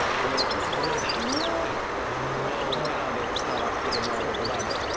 お寺で伝わってるものでございます。